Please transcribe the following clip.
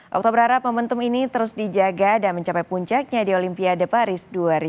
okto berharap momentum ini terus dijaga dan mencapai puncaknya di olimpiade paris dua ribu dua puluh